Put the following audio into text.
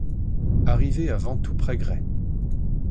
Arrivée à Vantoux près Gray.